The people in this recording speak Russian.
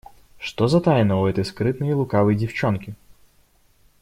Что за тайна у этой скрытной и лукавой девчонки?